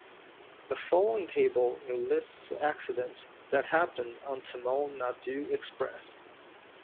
The following table enlists the accidents that happened on Tamil Nadu Express.